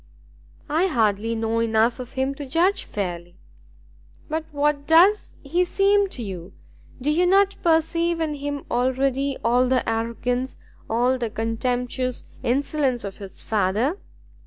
"I hardly know enough of him to judge fairly." "But what does he seem to you? Do you not perceive in him already all the arrogance, all the contemptuous insolence of his father?"